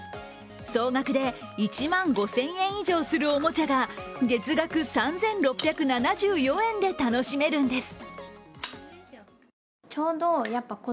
総額で１万５０００円以上するおもちゃが月額３６７４円で楽しめるんです。